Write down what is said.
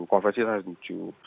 konversi saya setuju